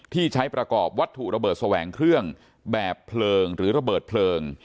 ที่ใช้ประกอบวัตถุระเบิดแสวงเครื่องแบบเพลิงหรือระเบิดเพลิง